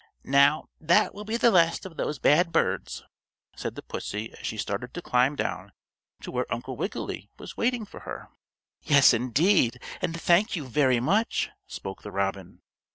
"Now, that will be the last of those bad birds," said the pussy as she started to climb down to where Uncle Wiggily was waiting for her. "Yes, indeed, and thank you very much," spoke the robin.